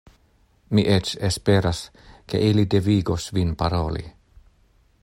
Mi eĉ esperas, ke ili devigos vin paroli.